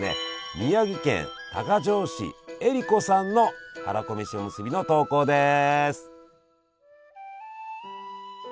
宮城県多賀城市えりこさんのはらこめしおむすびの投稿です。